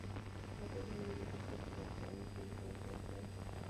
ازادي راډیو د کلتور په اړه څېړنیزې لیکنې چاپ کړي.